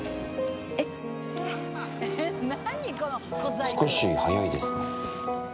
えっ少し早いですね